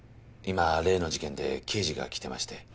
今例の事件で刑事が来てまして。